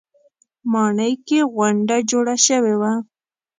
ماڼۍ کې غونډه جوړه شوې وه.